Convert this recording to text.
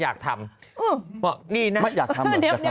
อยากทำบ้างเหรอ